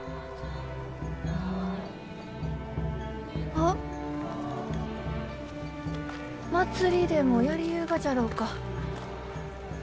・あっ祭りでもやりゆうがじゃろうか？